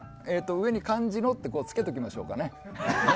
上に漢字のってつけておきましょうかね。